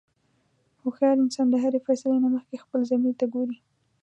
هوښیار انسان د هرې فیصلې نه مخکې خپل ضمیر ته ګوري.